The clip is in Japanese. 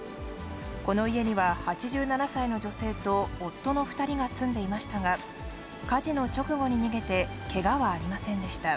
この家には８７歳の女性と夫の２人が住んでいましたが、火事の直後に逃げて、けがはありませんでした。